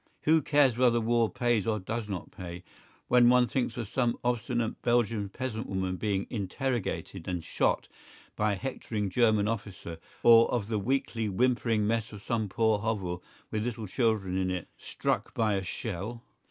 Who cares whether war pays or does not pay, when one thinks of some obstinate Belgian peasant woman being interrogated and shot by a hectoring German officer, or of the weakly whimpering mess of some poor hovel with little children in it, struck by a shell?